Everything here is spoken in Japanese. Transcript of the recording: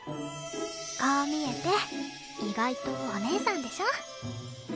こう見えて意外とお姉さんでしょ？